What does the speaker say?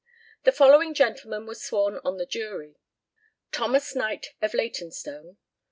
The following Gentlemen were sworn on THE JURY. THOMAS KNIGHT, of Leytonstone.